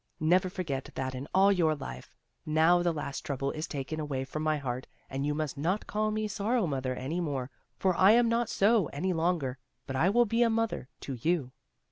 Never forget that in all your life! Now the last trouble is taken away from my heart, and you must not call me Sorrow mother any more, for I am not so any longer, but I will be a mother to you."